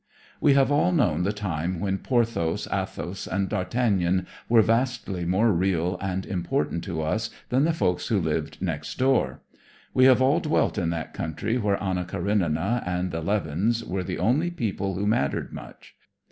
We have all known the time when Porthos, Athos and d'Artagan were vastly more real and important to us than the folks who lived next door. We have all dwelt in that country where Anna Karenina and the Levins were the only people who mattered much.